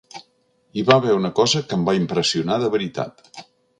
Hi va haver una cosa que em va impressionar de veritat.